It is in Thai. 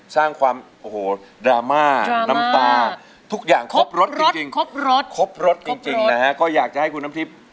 สร้างความดราม่าน้ำตาทุกอย่างครบรสจริงนะฮะก็อยากจะให้คุณน้ำทิพย์